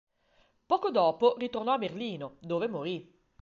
Poco dopo ritornò a Berlino, dove morì.